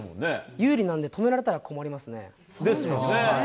有利なんで、止められたら困ですよね。